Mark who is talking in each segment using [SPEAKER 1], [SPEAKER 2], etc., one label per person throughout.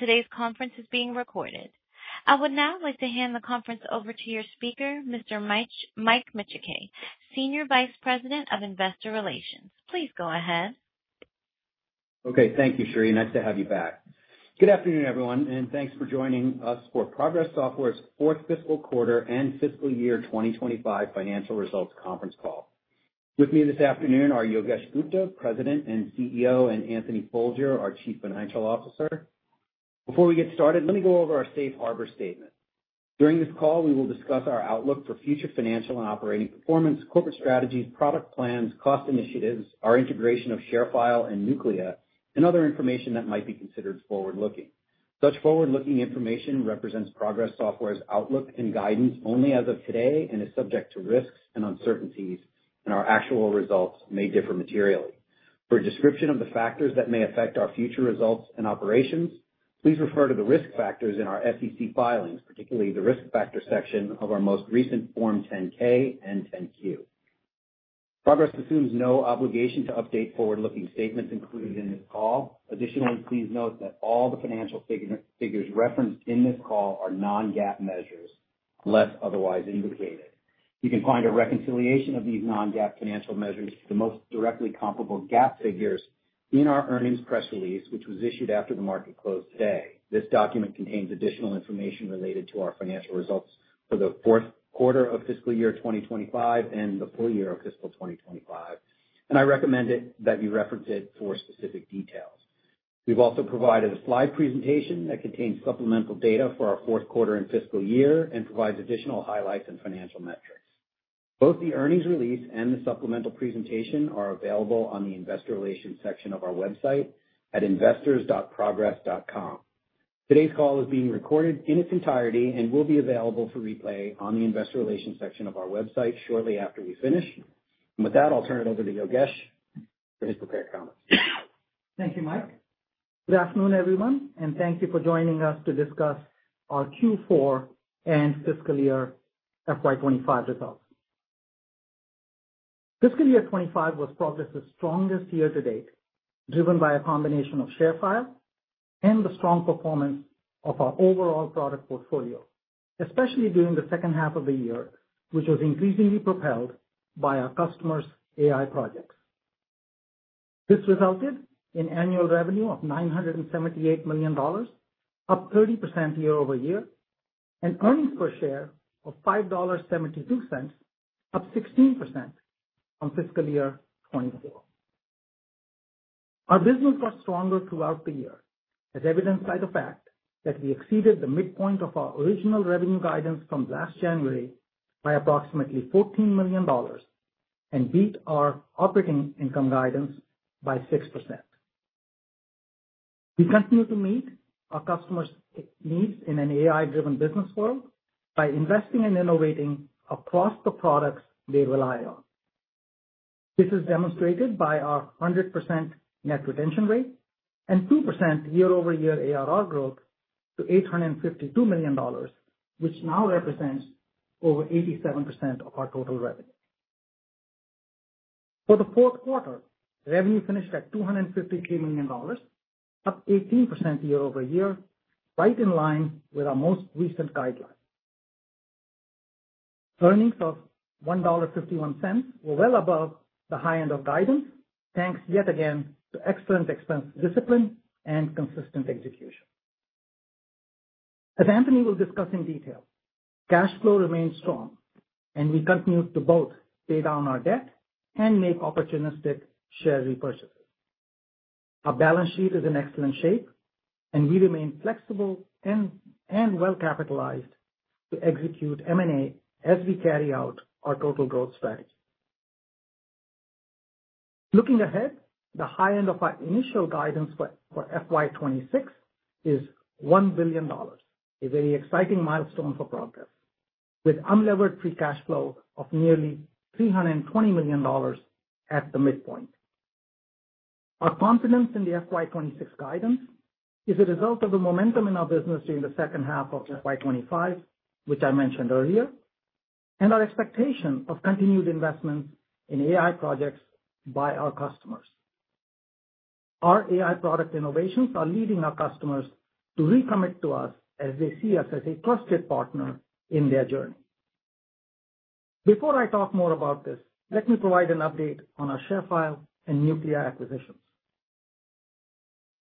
[SPEAKER 1] Today's conference is being recorded. I would now like to hand the conference over to your speaker, Mr. Mike Micciche, Senior Vice President of Investor Relations. Please go ahead.
[SPEAKER 2] Okay. Thank you, Sheree. Nice to have you back. Good afternoon, everyone, and thanks for joining us for Progress Software's Fourth Fiscal Quarter and Fiscal Year 2025 Financial Results Conference Call. With me this afternoon are Yogesh Gupta, President and CEO, and Anthony Folger, our Chief Financial Officer. Before we get started, let me go over our Safe Harbor Statement. During this call, we will discuss our outlook for future financial and operating performance, corporate strategies, product plans, cost initiatives, our integration of ShareFile and Nuclia, and other information that might be considered forward-looking. Such forward-looking information represents Progress Software's outlook and guidance only as of today and is subject to risks and uncertainties, and our actual results may differ materially. For a description of the factors that may affect our future results and operations, please refer to the risk factors in our SEC filings, particularly the risk factor section of our most recent Form 10-K and 10-Q. Progress assumes no obligation to update forward-looking statements included in this call. Additionally, please note that all the financial figures referenced in this call are non-GAAP measures, unless otherwise indicated. You can find a reconciliation of these non-GAAP financial measures to the most directly comparable GAAP figures in our earnings press release, which was issued after the market closed today. This document contains additional information related to our financial results for the fourth quarter of fiscal year 2025 and the full year of fiscal 2025, and I recommend that you reference it for specific details. We've also provided a slide presentation that contains supplemental data for our fourth quarter and fiscal year and provides additional highlights and financial metrics. Both the earnings release and the supplemental presentation are available on the Investor Relations section of our website at investors.progress.com. Today's call is being recorded in its entirety and will be available for replay on the Investor Relations section of our website shortly after we finish. And with that, I'll turn it over to Yogesh for his prepared comments.
[SPEAKER 3] Thank you, Mike. Good afternoon, everyone, and thank you for joining us to discuss our Q4 and fiscal year FY 2025 results. Fiscal year 2025 was Progress's strongest year to date, driven by a combination of ShareFile and the strong performance of our overall product portfolio, especially during the second half of the year, which was increasingly propelled by our customers' AI projects. This resulted in annual revenue of $978 million, up 30% year-over-year, and earnings per share of $5.72, up 16% from fiscal year 2024. Our business got stronger throughout the year, as evidenced by the fact that we exceeded the midpoint of our original revenue guidance from last January by approximately $14 million and beat our operating income guidance by 6%. We continue to meet our customers' needs in an AI-driven business world by investing and innovating across the products they rely on. This is demonstrated by our 100% net retention rate and 2% year-over-year ARR growth to $852 million, which now represents over 87% of our total revenue. For the fourth quarter, revenue finished at $253 million, up 18% year-over-year, right in line with our most recent guideline. Earnings of $1.51 were well above the high end of guidance, thanks yet again to excellent expense discipline and consistent execution. As Anthony will discuss in detail, cash flow remained strong, and we continued to both pay down our debt and make opportunistic share repurchases. Our balance sheet is in excellent shape, and we remain flexible and well-capitalized to execute M&A as we carry out our Total Growth Strategy. Looking ahead, the high end of our initial guidance for FY 2026 is $1 billion, a very exciting milestone for Progress, with unlevered free cash flow of nearly $320 million at the midpoint. Our confidence in the FY 2026 guidance is a result of the momentum in our business during the second half of FY 2025, which I mentioned earlier, and our expectation of continued investments in AI projects by our customers. Our AI product innovations are leading our customers to recommit to us as they see us as a trusted partner in their journey. Before I talk more about this, let me provide an update on our ShareFile and Nuclia acquisitions.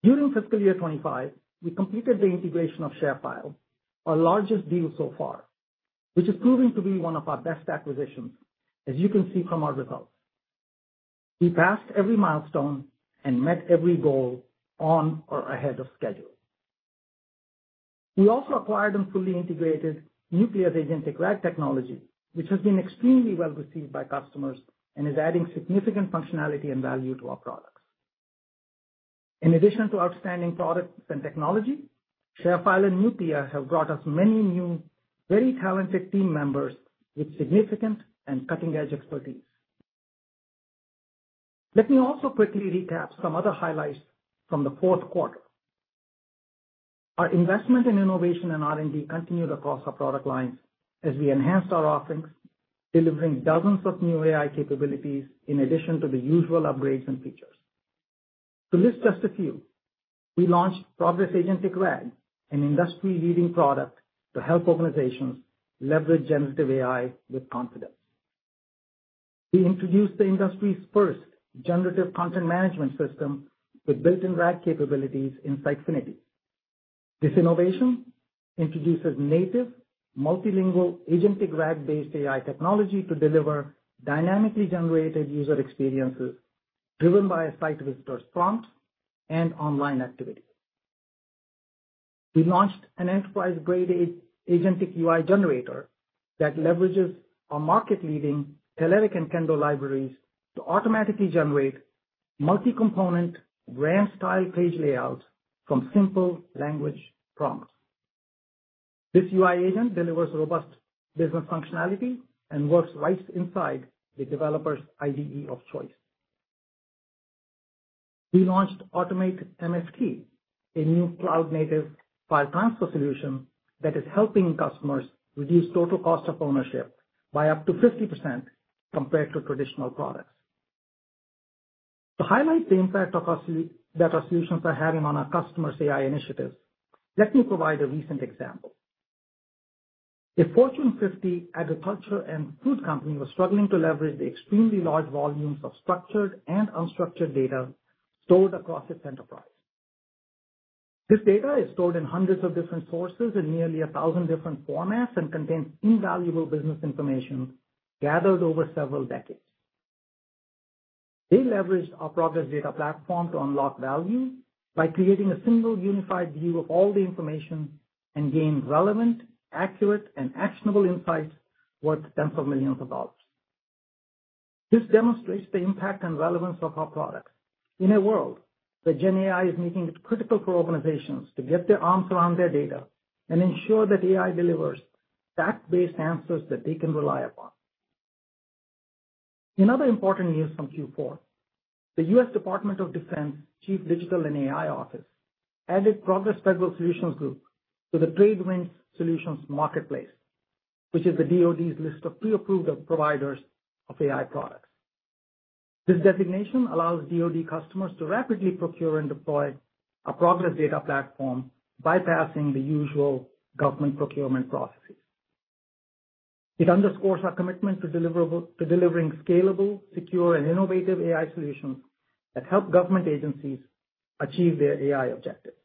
[SPEAKER 3] During fiscal year 25, we completed the integration of ShareFile, our largest deal so far, which is proving to be one of our best acquisitions, as you can see from our results. We passed every milestone and met every goal on or ahead of schedule. We also acquired and fully integrated Nuclia's agentic RAG technology, which has been extremely well received by customers and is adding significant functionality and value to our products. In addition to outstanding products and technology, ShareFile and Nuclia have brought us many new, very talented team members with significant and cutting-edge expertise. Let me also quickly recap some other highlights from the fourth quarter. Our investment in innovation and R&D continued across our product lines as we enhanced our offerings, delivering dozens of new AI capabilities in addition to the usual upgrades and features. To list just a few, we launched Progress Agentic RAG, an industry-leading product to help organizations leverage generative AI with confidence. We introduced the industry's first generative content management system with built-in RAG capabilities in Sitefinity. This innovation introduces native multilingual agentic RAG-based AI technology to deliver dynamically generated user experiences driven by a site visitor's prompt and online activity. We launched an enterprise-grade agentic UI generator that leverages our market-leading Telerik and Kendo libraries to automatically generate multi-component brand-style page layouts from simple language prompts. This UI agent delivers robust business functionality and works right inside the developer's IDE of choice. We launched Automate MFT, a new cloud-native file transfer solution that is helping customers reduce total cost of ownership by up to 50% compared to traditional products. To highlight the impact that our solutions are having on our customers' AI initiatives, let me provide a recent example. A Fortune 50 agriculture and food company was struggling to leverage the extremely large volumes of structured and unstructured data stored across its enterprise. This data is stored in hundreds of different sources in nearly 1,000 different formats and contains invaluable business information gathered over several decades. They leveraged our Progress Data Platform to unlock value by creating a single unified view of all the information and gained relevant, accurate, and actionable insights worth tens of millions of dollars. This demonstrates the impact and relevance of our products. In a world where GenAI is making it critical for organizations to get their arms around their data and ensure that AI delivers fact-based answers that they can rely upon. In other important news from Q4, the U.S. Department of Defense Chief Digital and AI Office added Progress Federal Solutions Group to the TradeWinds Solutions Marketplace, which is the DOD's list of pre-approved providers of AI products. This designation allows DOD customers to rapidly procure and deploy a Progress Data Platform, bypassing the usual government procurement processes. It underscores our commitment to delivering scalable, secure, and innovative AI solutions that help government agencies achieve their AI objectives.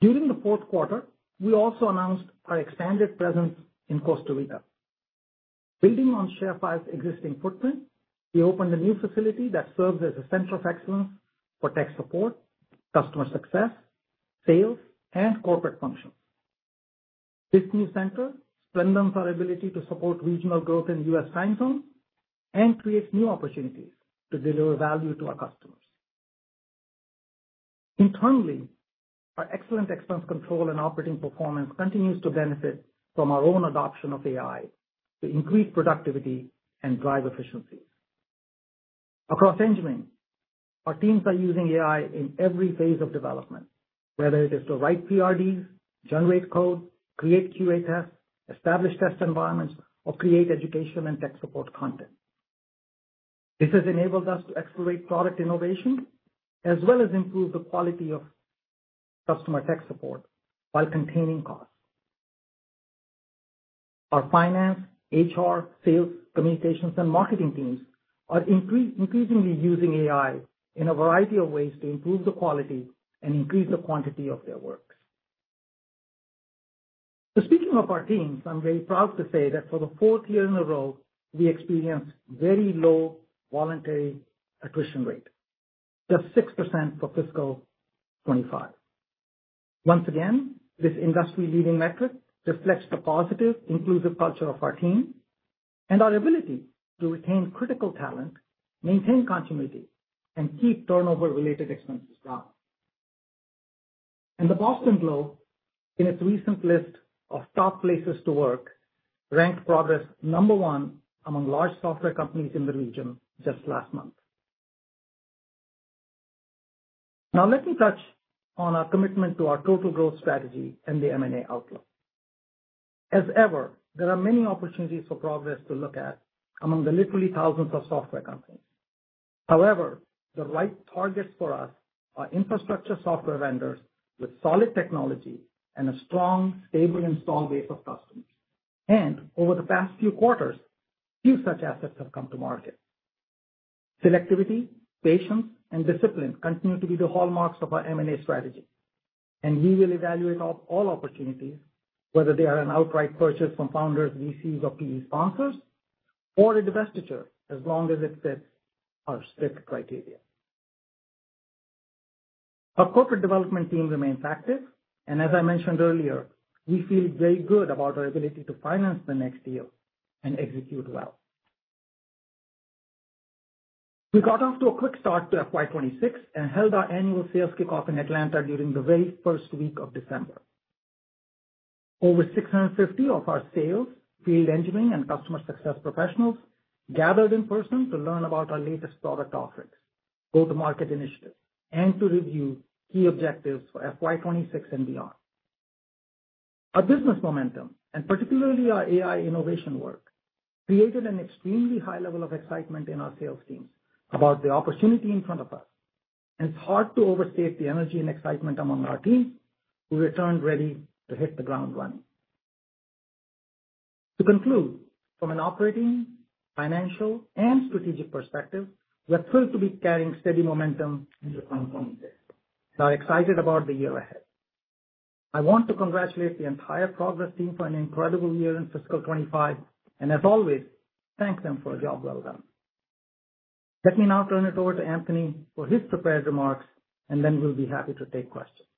[SPEAKER 3] During the fourth quarter, we also announced our expanded presence in Costa Rica. Building on ShareFile's existing footprint, we opened a new facility that serves as a Center of Excellence for tech support, customer success, sales, and corporate functions. This new center strengthens our ability to support regional growth in the U.S. time zone and creates new opportunities to deliver value to our customers. Internally, our excellent expense control and operating performance continues to benefit from our own adoption of AI to increase productivity and drive efficiencies. Across engineering, our teams are using AI in every phase of development, whether it is to write PRDs, generate code, create QA tests, establish test environments, or create education and tech support content. This has enabled us to accelerate product innovation as well as improve the quality of customer tech support while containing costs. Our finance, HR, sales, communications, and marketing teams are increasingly using AI in a variety of ways to improve the quality and increase the quantity of their work. Speaking of our teams, I'm very proud to say that for the fourth year in a row, we experienced very low voluntary attrition rate, just 6% for fiscal 2025. Once again, this industry-leading metric reflects the positive, inclusive culture of our team and our ability to retain critical talent, maintain continuity, and keep turnover-related expenses down. And the Boston Globe, in its recent list of top places to work, ranked Progress number one among large software companies in the region just last month. Now, let me touch on our commitment to our Total Growth Strategy and the M&A outlook. As ever, there are many opportunities for Progress to look at among the literally thousands of software companies. However, the right targets for us are infrastructure software vendors with solid technology and a strong, stable install base of customers. And over the past few quarters, few such assets have come to market. Selectivity, patience, and discipline continue to be the hallmarks of our M&A strategy, and we will evaluate all opportunities, whether they are an outright purchase from founders, VCs, or PE sponsors, or a divestiture, as long as it fits our strict criteria. Our corporate development team remains active, and as I mentioned earlier, we feel very good about our ability to finance the next year and execute well. We got off to a quick start to FY 2026 and held our annual sales kickoff in Atlanta during the very first week of December. Over 650 of our sales, field engineering, and customer success professionals gathered in person to learn about our latest product offerings, go-to-market initiatives, and to review key objectives for FY 2026 and beyond. Our business momentum, and particularly our AI innovation work, created an extremely high level of excitement in our sales teams about the opportunity in front of us, and it's hard to overstate the energy and excitement among our teams who returned ready to hit the ground running. To conclude, from an operating, financial, and strategic perspective, we are thrilled to be carrying steady momentum into 2026 and are excited about the year ahead. I want to congratulate the entire Progress team for an incredible year in fiscal 2025, and as always, thank them for a job well done. Let me now turn it over to Anthony for his prepared remarks, and then we'll be happy to take questions.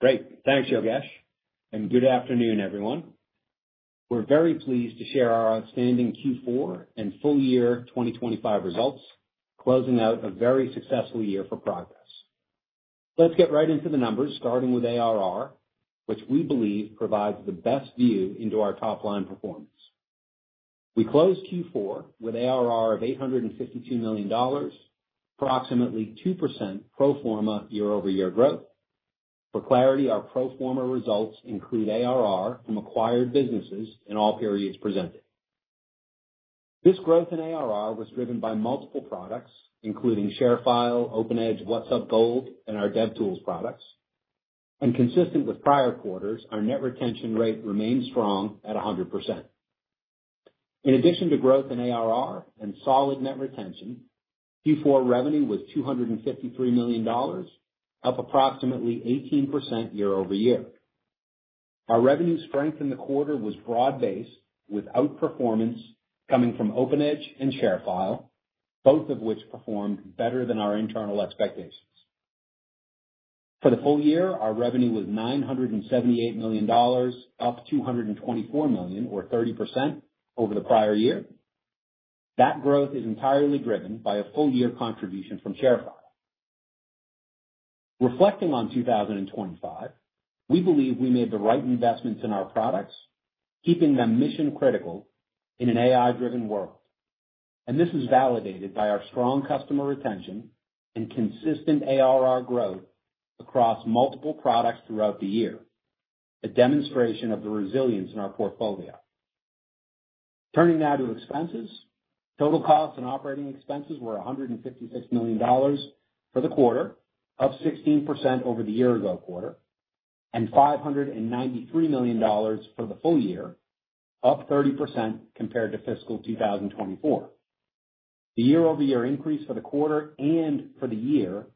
[SPEAKER 4] Great. Thanks, Yogesh, and good afternoon, everyone. We're very pleased to share our outstanding Q4 and full year 2025 results, closing out a very successful year for Progress. Let's get right into the numbers, starting with ARR, which we believe provides the best view into our top-line performance. We closed Q4 with ARR of $852 million, approximately 2% pro forma year-over-year growth. For clarity, our pro forma results include ARR from acquired businesses in all periods presented. This growth in ARR was driven by multiple products, including ShareFile, OpenEdge, WhatsUp Gold, and our DevTools products, and consistent with prior quarters, our net retention rate remained strong at 100%. In addition to growth in ARR and solid net retention, Q4 revenue was $253 million, up approximately 18% year-over-year. Our revenue strength in the quarter was broad-based with outperformance coming from OpenEdge and ShareFile, both of which performed better than our internal expectations. For the full year, our revenue was $978 million, up $224 million, or 30% over the prior year. That growth is entirely driven by a full-year contribution from ShareFile. Reflecting on 2025, we believe we made the right investments in our products, keeping them mission-critical in an AI-driven world. And this is validated by our strong customer retention and consistent ARR growth across multiple products throughout the year, a demonstration of the resilience in our portfolio. Turning now to expenses, total costs and operating expenses were $156 million for the quarter, up 16% over the year-ago quarter, and $593 million for the full year, up 30% compared to fiscal 2024. The year-over-year increase for the quarter and for the year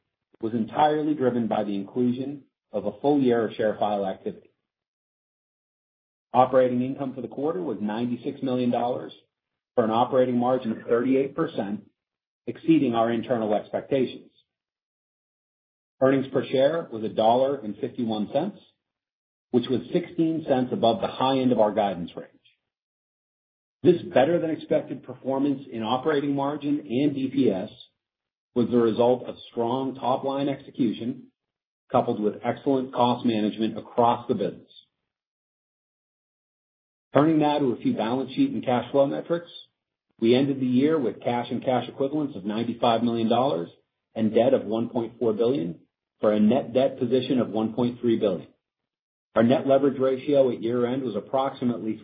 [SPEAKER 4] was entirely driven by the inclusion of a full year of ShareFile activity. Operating income for the quarter was $96 million for an operating margin of 38%, exceeding our internal expectations. Earnings per share was $1.51, which was $0.16 above the high end of our guidance range. This better-than-expected performance in operating margin and EPS was the result of strong top-line execution coupled with excellent cost management across the business. Turning now to a few balance sheet and cash flow metrics, we ended the year with cash and cash equivalents of $95 million and debt of $1.4 billion for a net debt position of $1.3 billion. Our net leverage ratio at year-end was approximately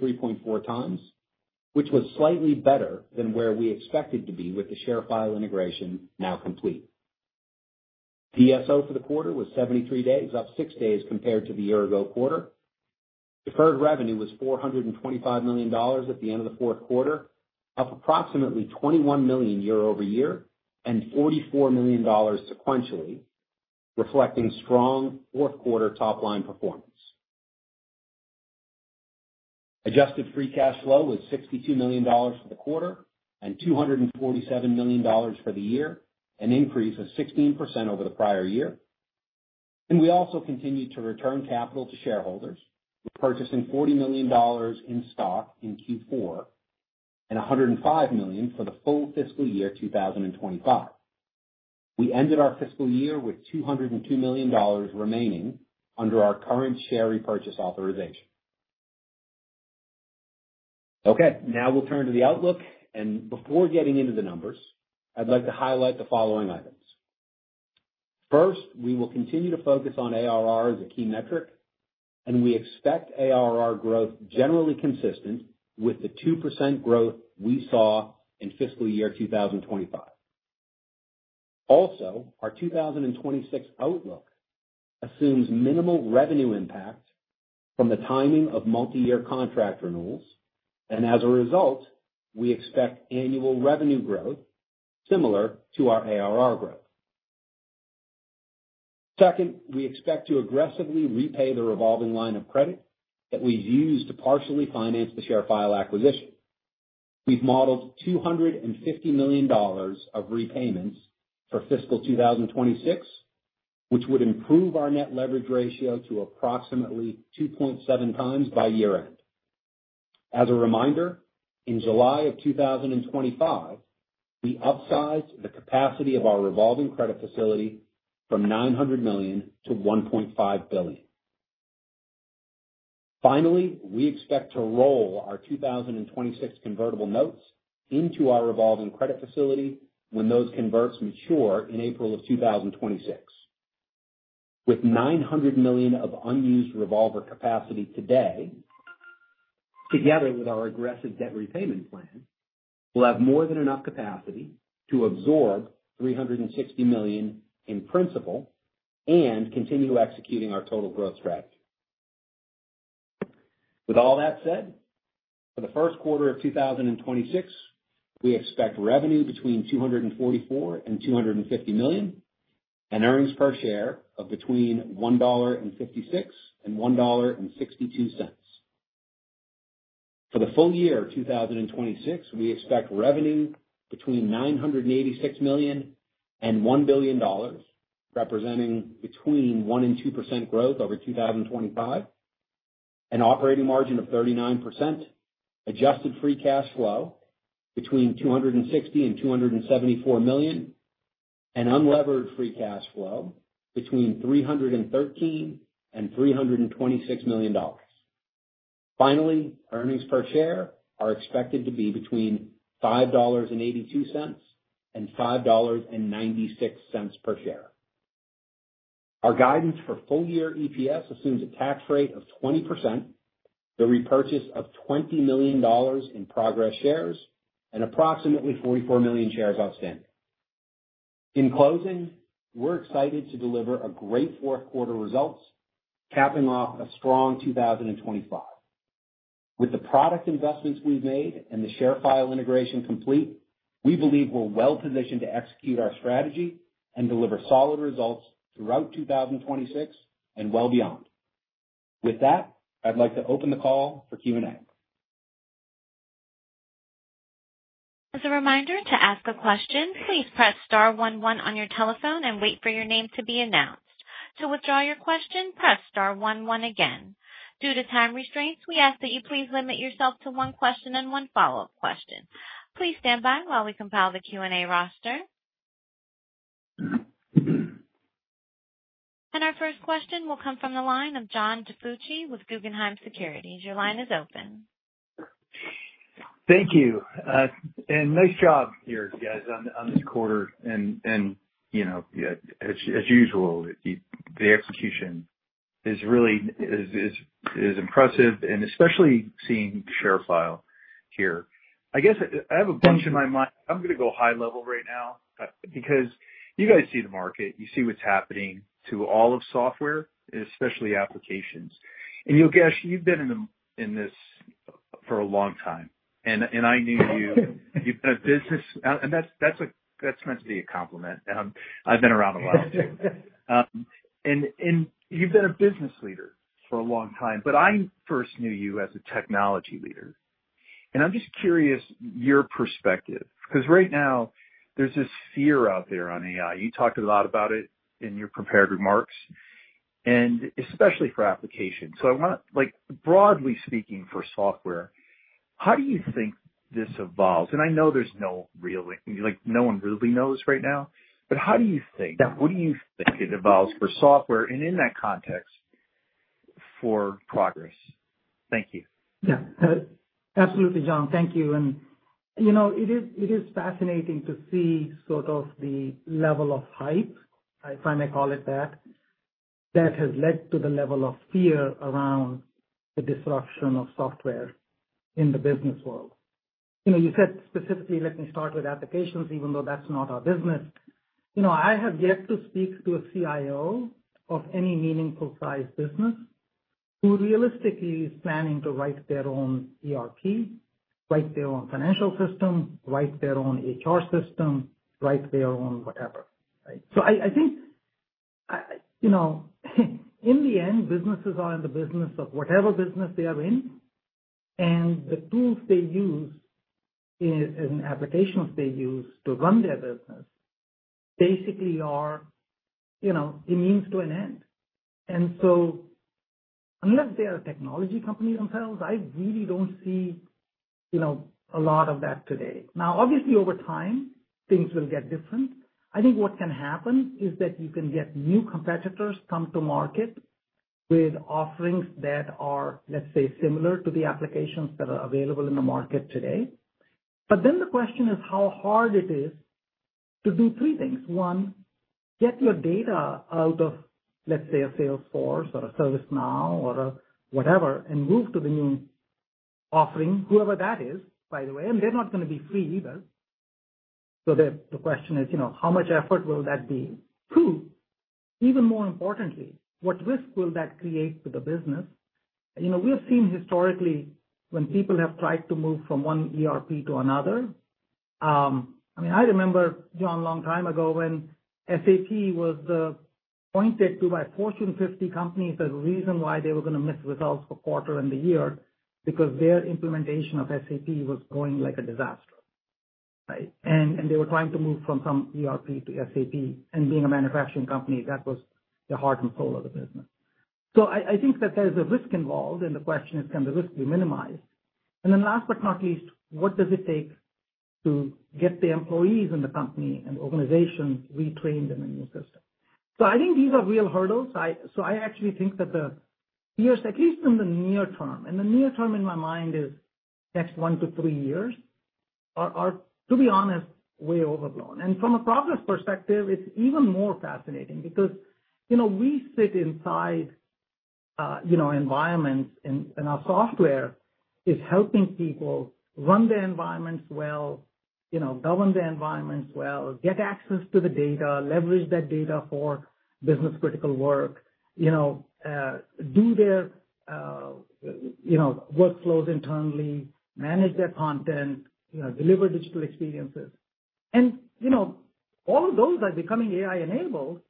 [SPEAKER 4] 3.4x, which was slightly better than where we expected to be with the ShareFile integration now complete. PSO for the quarter was 73 days, up six days compared to the year-ago quarter. Deferred revenue was $425 million at the end of the fourth quarter, up approximately $21 million year-over-year and $44 million sequentially, reflecting strong fourth-quarter top-line performance. Adjusted free cash flow was $62 million for the quarter and $247 million for the year, an increase of 16% over the prior year, and we also continued to return capital to shareholders, purchasing $40 million in stock in Q4 and $105 million for the full fiscal year 2025. We ended our fiscal year with $202 million remaining under our current share repurchase authorization. Okay, now we'll turn to the outlook, and before getting into the numbers, I'd like to highlight the following items. First, we will continue to focus on ARR as a key metric, and we expect ARR growth generally consistent with the 2% growth we saw in fiscal year 2025. Also, our 2026 outlook assumes minimal revenue impact from the timing of multi-year contract renewals, and as a result, we expect annual revenue growth similar to our ARR growth. Second, we expect to aggressively repay the revolving line of credit that we've used to partially finance the ShareFile acquisition. We've modeled $250 million of repayments for fiscal 2026, which would improve our net leverage ratio to approximately 2.7x by year-end. As a reminder, in July of 2025, we upsized the capacity of our revolving credit facility from $900 million to $1.5 billion. Finally, we expect to roll our 2026 convertible notes into our revolving credit facility when those converts mature in April of 2026. With $900 million of unused revolver capacity today, together with our aggressive debt repayment plan, we'll have more than enough capacity to absorb $360 million in principal and continue executing our Total Growth Strategy. With all that said, for the first quarter of 2026, we expect revenue between $244 million and $250 million and earnings per share of between $1.56 and $1.62. For the full year of 2026, we expect revenue between $986 million and $1 billion, representing between 1-2% growth over 2025, an operating margin of 39%, adjusted free cash flow between $260 million and $274 million, and unlevered free cash flow between $313 million and $326 million. Finally, earnings per share are expected to be between $5.82 and $5.96 per share. Our guidance for full year EPS assumes a tax rate of 20%, the repurchase of $20 million in Progress shares, and approximately 44 million shares outstanding. In closing, we're excited to deliver a great fourth-quarter result, capping off a strong 2025. With the product investments we've made and the ShareFile integration complete, we believe we're well-positioned to execute our strategy and deliver solid results throughout 2026 and well beyond. With that, I'd like to open the call for Q&A.
[SPEAKER 1] As a reminder, to ask a question, please press star 11 on your telephone and wait for your name to be announced. To withdraw your question, press star 11 again. Due to time restraints, we ask that you please limit yourself to one question and one follow up question. Please stand by while we compile the Q&A roster. And our first question will come from the line of John DiFucci with Guggenheim Securities. Your line is open.
[SPEAKER 5] Thank you. And nice job, you guys, on this quarter. And as usual, the execution is really impressive, and especially seeing ShareFile here. I guess I have a bunch in my mind. I'm going to go high level right now because you guys see the market, you see what's happening to all of software, especially applications. And Yogesh, you've been in this for a long time, and I knew you. You've been in business, and that's meant to be a compliment. I've been around a while. And you've been a business leader for a long time, but I first knew you as a technology leader. And I'm just curious your perspective because right now, there's this fear out there on AI. You talked a lot about it in your prepared remarks, and especially for applications. So broadly speaking, for software, how do you think this evolves? I know no one really knows right now, but what do you think it evolves for software and in that context for Progress? Thank you.
[SPEAKER 3] Yeah. Absolutely, John. Thank you, and it is fascinating to see sort of the level of hype, if I may call it that, that has led to the level of fear around the disruption of software in the business world. You said specifically, "Let me start with applications," even though that's not our business. I have yet to speak to a CIO of any meaningful-sized business who realistically is planning to write their own ERP, write their own financial system, write their own HR system, write their own whatever, so I think in the end, businesses are in the business of whatever business they are in, and the tools they use and applications they use to run their business basically are immune to an end, and so unless they are a technology company themselves, I really don't see a lot of that today. Now, obviously, over time, things will get different. I think what can happen is that you can get new competitors come to market with offerings that are, let's say, similar to the applications that are available in the market today. But then the question is how hard it is to do three things. One, get your data out of, let's say, a Salesforce or a ServiceNow or whatever and move to the new offering, whoever that is, by the way, and they're not going to be free either. So the question is, how much effort will that be? Two, even more importantly, what risk will that create for the business? We have seen historically when people have tried to move from one ERP to another. I mean, I remember, John, a long time ago when SAP was pointed to by Fortune 50 companies as a reason why they were going to miss results for the quarter and the year because their implementation of SAP was going like a disaster, and they were trying to move from some ERP to SAP, and being a manufacturing company, that was the heart and soul of the business, so I think that there's a risk involved, and the question is, can the risk be minimized, and then last but not least, what does it take to get the employees in the company and the organization retrained in a new system, so I think these are real hurdles, so I actually think that the fears, at least in the near term, and the near term in my mind is next one to three years, are, to be honest, way overblown. And from a Progress perspective, it's even more fascinating because we sit inside environments, and our software is helping people run their environments well, govern their environments well, get access to the data, leverage that data for business-critical work, do their workflows internally, manage their content, deliver digital experiences. And all of those are becoming AI-enabled,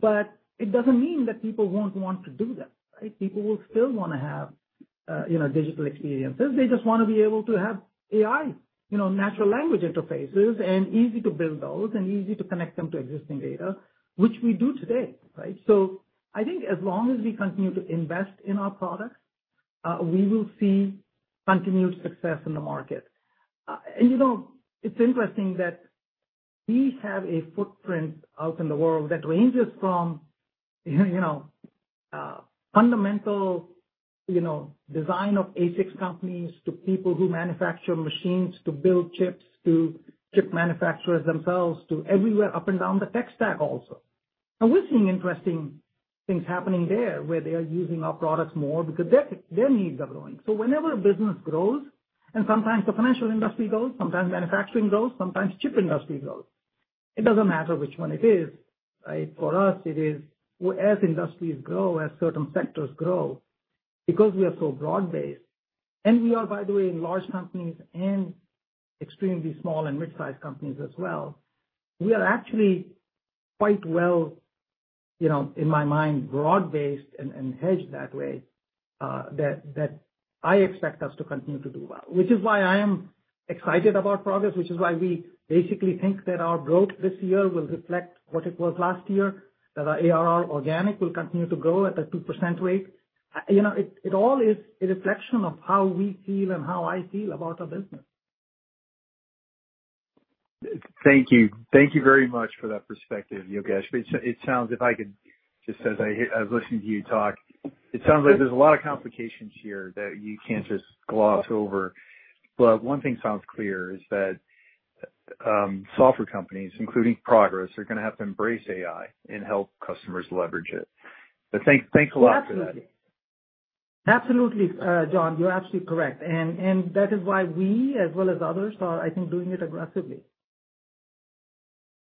[SPEAKER 3] but it doesn't mean that people won't want to do that. People will still want to have digital experiences. They just want to be able to have AI, natural language interfaces, and easy to build those and easy to connect them to existing data, which we do today. So I think as long as we continue to invest in our products, we will see continued success in the market. It's interesting that we have a footprint out in the world that ranges from fundamental design of ASICs companies to people who manufacture machines to build chips to chip manufacturers themselves to everywhere up and down the tech stack also. We're seeing interesting things happening there where they are using our products more because their needs are growing. Whenever a business grows, and sometimes the financial industry grows, sometimes manufacturing grows, sometimes chip industry grows, it doesn't matter which one it is. For us, it is as industries grow, as certain sectors grow, because we are so broad-based. We are, by the way, in large companies and extremely small and mid-sized companies as well. We are actually quite well, in my mind, broad-based and hedged that way that I expect us to continue to do well, which is why I am excited about Progress, which is why we basically think that our growth this year will reflect what it was last year, that our ARR organic will continue to grow at a 2% rate. It all is a reflection of how we feel and how I feel about our business.
[SPEAKER 5] Thank you. Thank you very much for that perspective, Yogesh. It sounds if I could just, as I was listening to you talk, it sounds like there's a lot of complications here that you can't just gloss over. But one thing sounds clear is that software companies, including Progress, are going to have to embrace AI and help customers leverage it. But thanks a lot for that.
[SPEAKER 3] Absolutely. Absolutely, John. You're absolutely correct. And that is why we, as well as others, are I think doing it aggressively.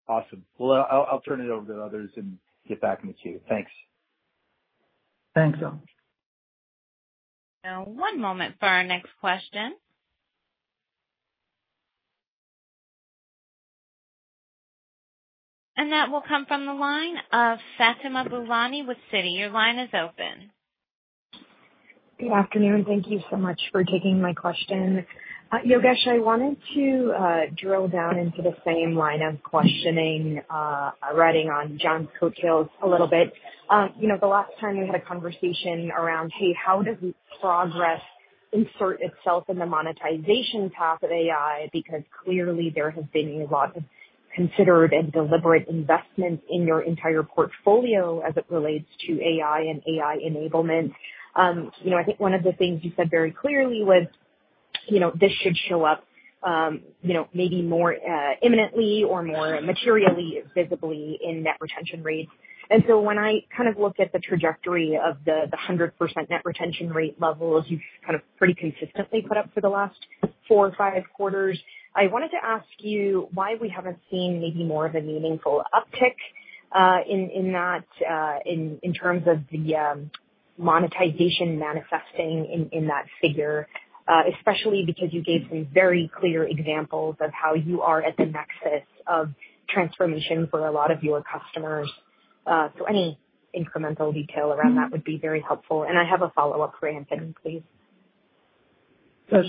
[SPEAKER 5] Awesome. Well, I'll turn it over to others and get back into Queue. Thanks.
[SPEAKER 3] Thanks, John.
[SPEAKER 1] Now, one moment for our next question. And that will come from the line of Fatima Boolani with Citi. Your line is open.
[SPEAKER 6] Good afternoon. Thank you so much for taking my question. Yogesh, I wanted to drill down into the same line of questioning, riding on John's coattails a little bit. The last time we had a conversation around, "Hey, how does Progress insert itself in the monetization path of AI?" because clearly there has been a lot of considered and deliberate investment in your entire portfolio as it relates to AI and AI enablement. I think one of the things you said very clearly was this should show up maybe more imminently or more materially visibly in net retention rates. And so when I kind of look at the trajectory of the 100% net retention rate levels, you've kind of pretty consistently put up for the last four or five quarters. I wanted to ask you why we haven't seen maybe more of a meaningful uptick in that in terms of the monetization manifesting in that figure, especially because you gave some very clear examples of how you are at the nexus of transformation for a lot of your customers. So any incremental detail around that would be very helpful. And I have a follow up for Anthony, please.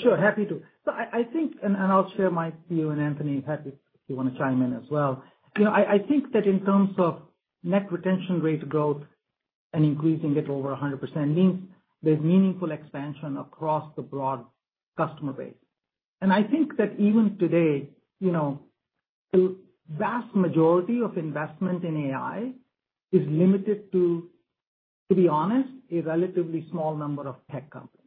[SPEAKER 3] Sure. Happy to. So I think, and I'll share my view, and Anthony is happy if you want to chime in as well. I think that in terms of net retention rate growth and increasing it over 100% means there's meaningful expansion across the broad customer base. And I think that even today, the vast majority of investment in AI is limited to, to be honest, a relatively small number of tech companies.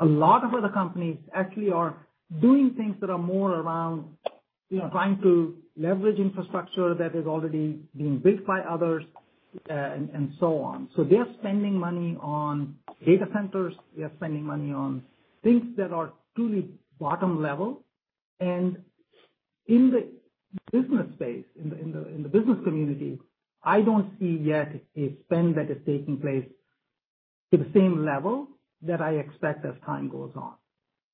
[SPEAKER 3] A lot of other companies actually are doing things that are more around trying to leverage infrastructure that is already being built by others and so on. So they're spending money on data centers. They're spending money on things that are truly bottom level. And in the business space, in the business community, I don't see yet a spend that is taking place to the same level that I expect as time goes on.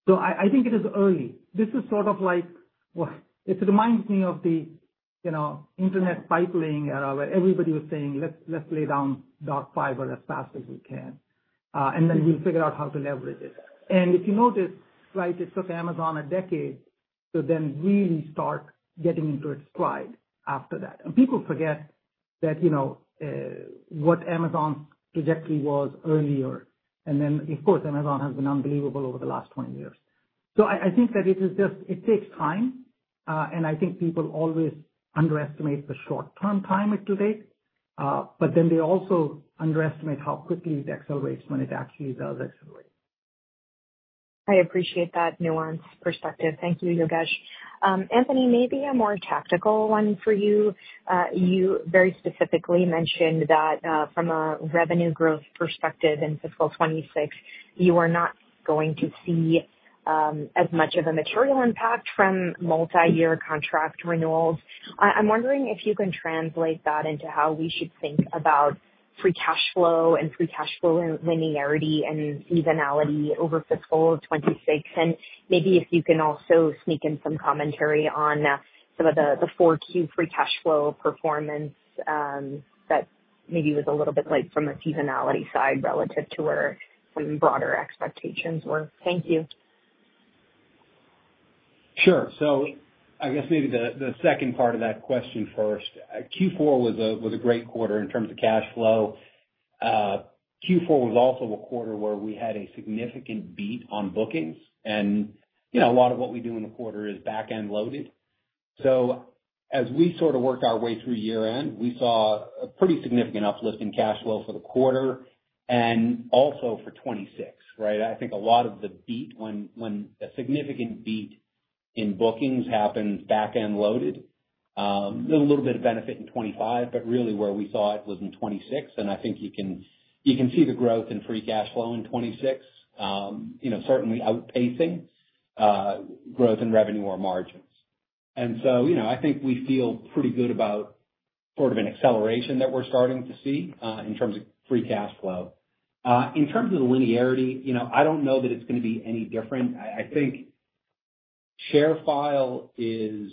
[SPEAKER 3] So I think it is early. This is sort of like it reminds me of the internet pipeline era where everybody was saying, "Let's lay down dark fiber as fast as we can, and then we'll figure out how to leverage it." And if you notice, right, it took Amazon a decade to then really start getting into its stride after that. And people forget that what Amazon's trajectory was earlier. And then, of course, Amazon has been unbelievable over the last 20 years. So I think that it takes time, and I think people always underestimate the short-term time it will take, but then they also underestimate how quickly it accelerates when it actually does accelerate.
[SPEAKER 6] I appreciate that nuanced perspective. Thank you, Yogesh. Anthony, maybe a more tactical one for you. You very specifically mentioned that from a revenue growth perspective in fiscal 2026, you are not going to see as much of a material impact from multi-year contract renewals. I'm wondering if you can translate that into how we should think about free cash flow and free cash flow linearity and seasonality over fiscal 2026, and maybe if you can also sneak in some commentary on some of the Q4 free cash flow performance that maybe was a little bit late from a seasonality side relative to where some broader expectations were. Thank you.
[SPEAKER 4] Sure. So I guess maybe the second part of that question first. Q4 was a great quarter in terms of cash flow. Q4 was also a quarter where we had a significant beat on bookings. And a lot of what we do in the quarter is back-end loaded. So as we sort of worked our way through year-end, we saw a pretty significant uplift in cash flow for the quarter and also for 2026, right? I think a lot of the beat, when a significant beat in bookings happens back-end loaded, there's a little bit of benefit in 2025, but really where we saw it was in 2026. And I think you can see the growth in free cash flow in 2026, certainly outpacing growth in revenue or margins. I think we feel pretty good about sort of an acceleration that we're starting to see in terms of free cash flow. In terms of the linearity, I don't know that it's going to be any different. I think ShareFile is,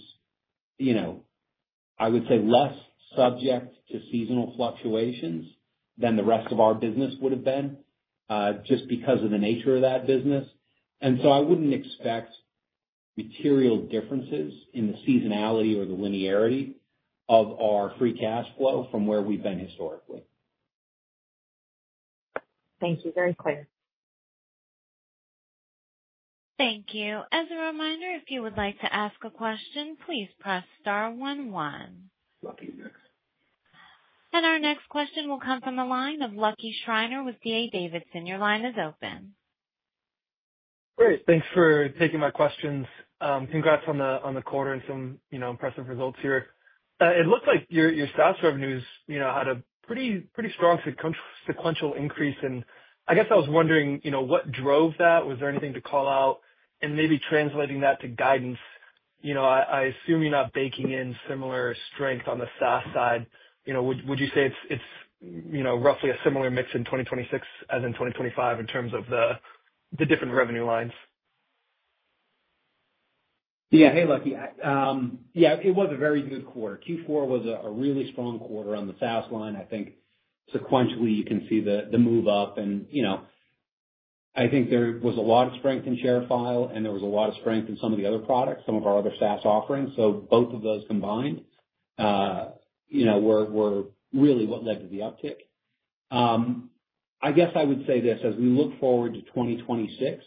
[SPEAKER 4] I would say, less subject to seasonal fluctuations than the rest of our business would have been just because of the nature of that business. I wouldn't expect material differences in the seasonality or the linearity of our free cash flow from where we've been historically.
[SPEAKER 6] Thank you. Very clear.
[SPEAKER 1] Thank you. As a reminder, if you would like to ask a question, please press star one one.
[SPEAKER 2] Lucky next.
[SPEAKER 1] Our next question will come from the line of Lucky Schreiner with D.A. Davidson. Your line is open.
[SPEAKER 7] Great. Thanks for taking my questions. Congrats on the quarter and some impressive results here. It looks like your SaaS revenues had a pretty strong sequential increase. And I guess I was wondering what drove that? Was there anything to call out? And maybe translating that to guidance, I assume you're not baking in similar strength on the SaaS side. Would you say it's roughly a similar mix in 2026 as in 2025 in terms of the different revenue lines?
[SPEAKER 4] Yeah. Hey, Lucky. Yeah, it was a very good quarter. Q4 was a really strong quarter on the SaaS line. I think sequentially you can see the move up. And I think there was a lot of strength in ShareFile, and there was a lot of strength in some of the other products, some of our other SaaS offerings. So both of those combined were really what led to the uptick. I guess I would say this: as we look forward to 2026,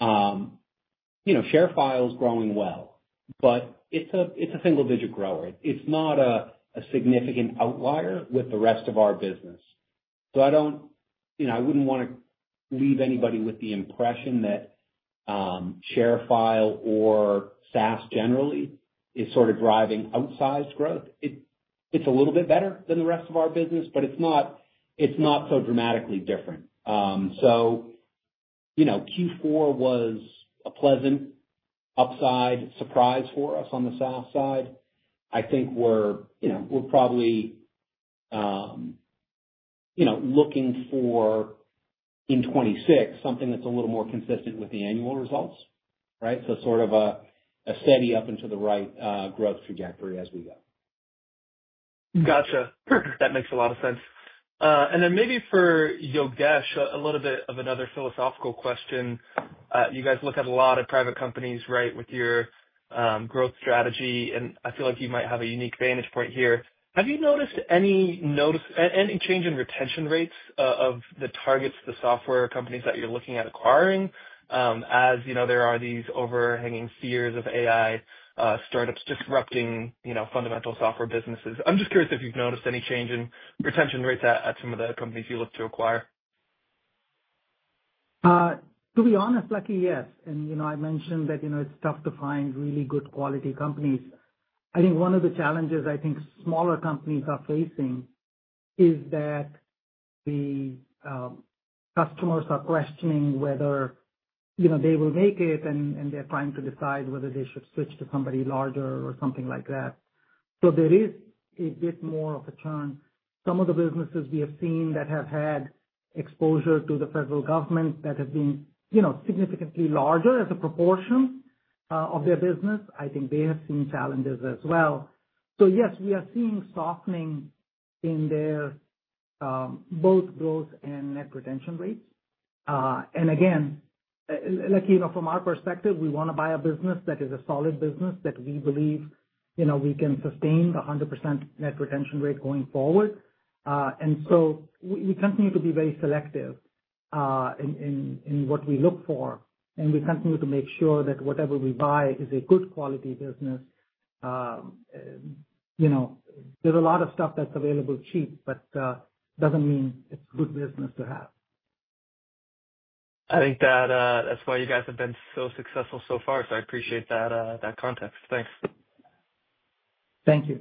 [SPEAKER 4] ShareFile is growing well, but it's a single-digit grower. It's not a significant outlier with the rest of our business. So I wouldn't want to leave anybody with the impression that ShareFile or SaaS generally is sort of driving outsized growth. It's a little bit better than the rest of our business, but it's not so dramatically different. Q4 was a pleasant upside surprise for us on the SaaS side. I think we're probably looking for, in 2026, something that's a little more consistent with the annual results, right? So sort of a steady up and to the right growth trajectory as we go.
[SPEAKER 7] Got you. That makes a lot of sense. And then maybe for Yogesh, a little bit of another philosophical question. You guys look at a lot of private companies, right, with your growth strategy. And I feel like you might have a unique vantage point here. Have you noticed any change in retention rates of the targets, the software companies that you're looking at acquiring as there are these overhanging fears of AI startups disrupting fundamental software businesses? I'm just curious if you've noticed any change in retention rates at some of the companies you look to acquire.
[SPEAKER 3] To be honest, Lucky, yes, and I mentioned that it's tough to find really good quality companies. I think one of the challenges smaller companies are facing is that the customers are questioning whether they will make it, and they're trying to decide whether they should switch to somebody larger or something like that, so there is a bit more of a turn. Some of the businesses we have seen that have had exposure to the federal government that have been significantly larger as a proportion of their business, I think they have seen challenges as well, so yes, we are seeing softening in their both growth and net retention rates, and again, Lucky, from our perspective, we want to buy a business that is a solid business that we believe we can sustain the 100% net retention rate going forward. And so we continue to be very selective in what we look for, and we continue to make sure that whatever we buy is a good quality business. There's a lot of stuff that's available cheap, but it doesn't mean it's a good business to have.
[SPEAKER 7] I think that's why you guys have been so successful so far. So I appreciate that context. Thanks.
[SPEAKER 3] Thank you.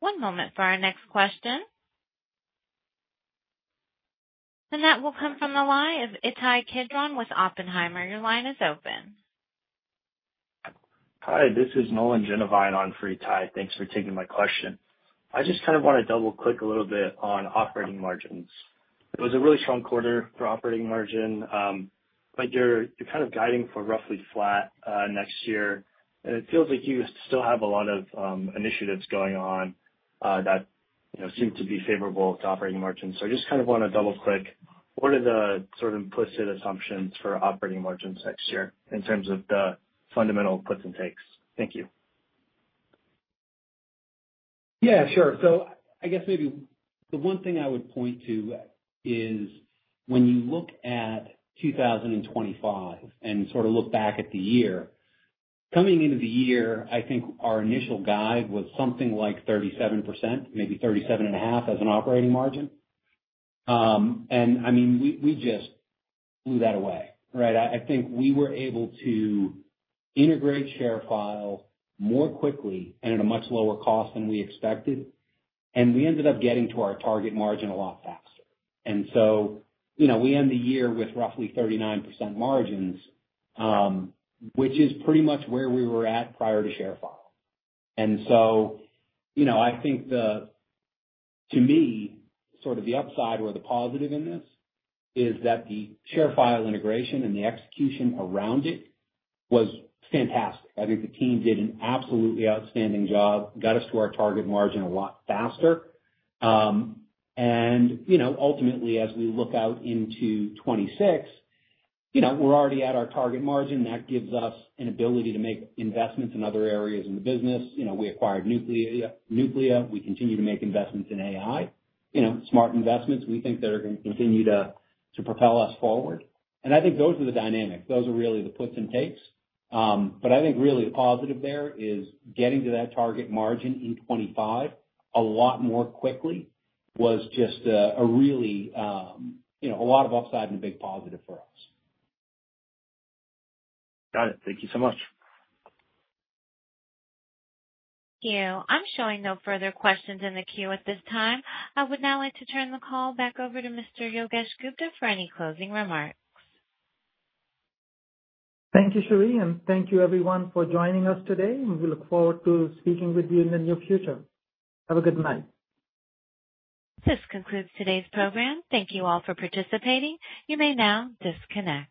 [SPEAKER 1] One moment for our next question, and that will come from the line of Itai Kidron with Oppenheimer. Your line is open.
[SPEAKER 8] Hi, this is Nolan Jenevein on for Itai. Thanks for taking my question. I just kind of want to double-click a little bit on operating margins. It was a really strong quarter for operating margin, but you're kind of guiding for roughly flat next year, and it feels like you still have a lot of initiatives going on that seem to be favorable to operating margins, so I just kind of want to double-click. What are the sort of implicit assumptions for operating margins next year in terms of the fundamental puts and takes? Thank you.
[SPEAKER 4] Yeah, sure. So I guess maybe the one thing I would point to is when you look at 2025 and sort of look back at the year, coming into the year, I think our initial guide was something like 37%, maybe 37.5% as an operating margin. And I mean, we just blew that away, right? I think we were able to integrate ShareFile more quickly and at a much lower cost than we expected. And we ended up getting to our target margin a lot faster. And so we end the year with roughly 39% margins, which is pretty much where we were at prior to ShareFile. And so I think, to me, sort of the upside or the positive in this is that the ShareFile integration and the execution around it was fantastic. I think the team did an absolutely outstanding job, got us to our target margin a lot faster, and ultimately, as we look out into 2026, we're already at our target margin. That gives us an ability to make investments in other areas in the business. We acquired Nuclia. We continue to make investments in AI, smart investments. We think they're going to continue to propel us forward, and I think those are the dynamics. Those are really the puts and takes, but I think really the positive there is getting to that target margin in 2025 a lot more quickly was just really a lot of upside and a big positive for us.
[SPEAKER 8] Got it. Thank you so much.
[SPEAKER 1] Thank you. I'm showing no further questions in the queue at this time. I would now like to turn the call back over to Mr. Yogesh Gupta for any closing remarks.
[SPEAKER 3] Thank you, Sheree, and thank you, everyone, for joining us today. And we look forward to speaking with you in the near future. Have a good night.
[SPEAKER 1] This concludes today's program. Thank you all for participating. You may now disconnect.